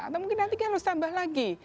atau mungkin nanti kalau tambah lagi